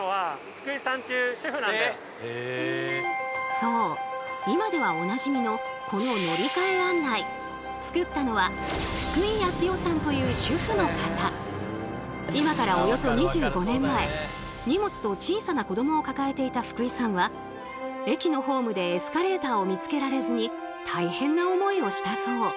そう今ではおなじみのこの今からおよそ２５年前荷物と小さな子どもを抱えていた福井さんは駅のホームでエスカレーターを見つけられずに大変な思いをしたそう。